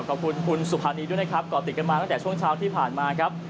ขอบคุณคุณสุภานีด้วยนะครับก่อติดกันมาตั้งแต่ช่วงเช้าที่ผ่านมาครับ